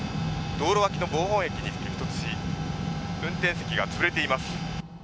道路脇の防音壁に激突し運転席が潰れています。